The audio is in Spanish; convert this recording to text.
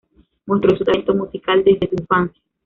Mostró su talento musical desde su infancia.